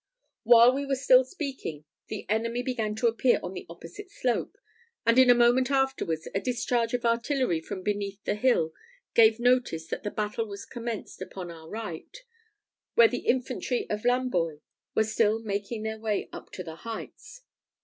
While we were still speaking, the enemy began to appear on the opposite slope, and in a moment afterwards a discharge of artillery from beneath the hill gave notice that the battle was commenced upon our right, where the infantry of Lamboy were still making their way up to the heights.